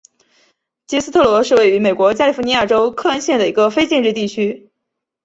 杰斯特罗是位于美国加利福尼亚州克恩县的一个非建制地区。